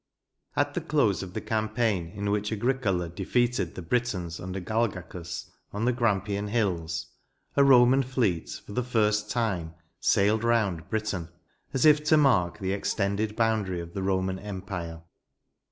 At the close of the campaign in which Agricola defeated the Britons under Galgacua on the Grampian hills, a Roman fleet, for the first time, sailed round Britain, as if to mark the extended boundary of the Roman empire.